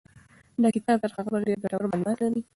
دا کتاب تر هغه بل ډېر ګټور معلومات لري.